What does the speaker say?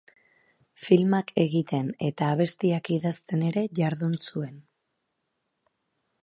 Filmak egiten eta abestiak idazten ere jardun zuen.